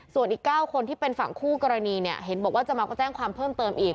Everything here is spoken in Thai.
ส่วนอีก๙คนที่เป็นฝั่งคู่กรณีเนี่ยเห็นบอกว่าจะมาก็แจ้งความเพิ่มเติมอีก